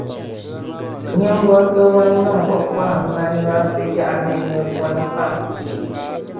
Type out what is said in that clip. Ninvuɣ’ so ŋun niŋ o kɔhimma nyɔri ti yaɣi ni o nya buni pam.